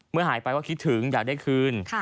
หายไปก็คิดถึงอยากได้คืน